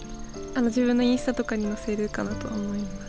自分のインスタとかに載せるかなと思います。